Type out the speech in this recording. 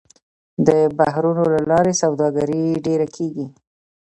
د بحرونو له لارې سوداګري ډېره کېږي.